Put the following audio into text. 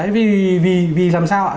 vì làm sao ạ